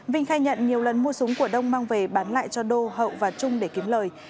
vinh khai nhận nhiều lần mua súng của đông mang về bán lại cho đô hậu và trung để kiếm lời